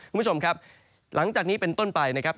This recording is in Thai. คุณผู้ชมครับหลังจากนี้เป็นต้นไปนะครับ